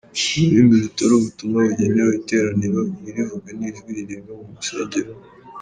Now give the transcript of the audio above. Ururimi rutari ubutumwa bugenewe iteraniro, ntiruvugwe n’ijwi rirenga mu rusengero.